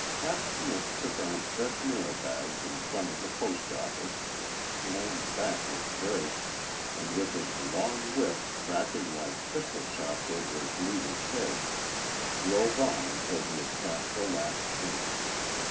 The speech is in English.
Hap Smith took on fresh mail bags in front of the post office, slammed back his brake, and with his long whip cracking like pistol shots over his leaders' heads, drove on until he had passed the Last Chance.